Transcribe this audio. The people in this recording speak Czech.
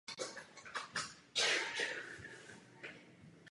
Vedle toho se stal členem stejné zednářské lóže jako Wolfgang Amadeus Mozart.